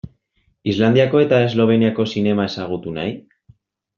Islandiako eta Esloveniako zinema ezagutu nahi?